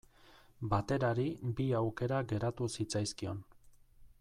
Baterari bi aukera geratu zitzaizkion.